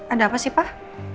ada apa sih pak